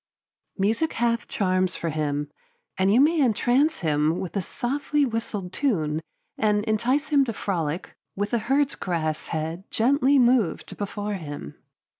Music hath charms for him, and you may entrance him with a softly whistled tune and entice him to frolic with a herds grass head gently moved before him.